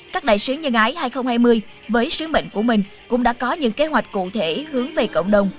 các đại sứ nhân ái hai nghìn hai mươi với sứ mệnh của mình cũng đã có những kế hoạch cụ thể hướng về cộng đồng